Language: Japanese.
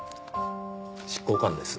執行官です。